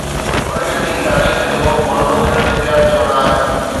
ان کي اسين تاريخ جو مابعد الطبعيات چوندا آهيون.